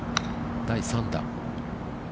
第３打。